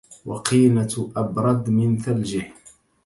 وقينة أبرد من ثلجه